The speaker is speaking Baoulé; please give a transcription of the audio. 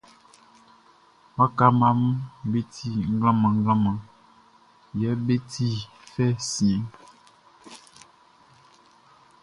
Waka mmaʼm be ti mlanmlanmlan yɛ be ti fɛ siɛnʼn.